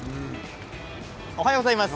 おはようございます。